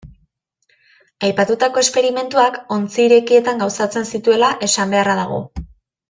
Aipatutako esperimentuak ontzi irekietan gauzatzen zituela esan beharra dago.